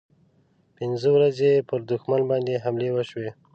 پنځه ورځې پر دښمن باندې حملې وشوې.